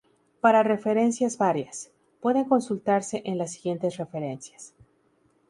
Para referencias varias, pueden consultarse en las siguientes referencias.